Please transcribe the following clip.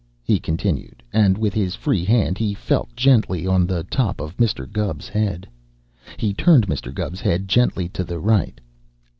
he continued, and with his free hand he felt gently of the top of Mr. Gubb's head. He turned Mr. Gubb's head gently to the right.